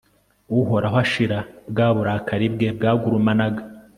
uhoraho ashira bwa burakari bwe bwagurumanaga